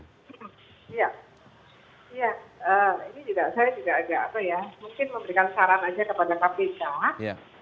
saya juga agak apa ya